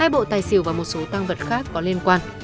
hai bộ tài xỉu và một số tăng vật khác có liên quan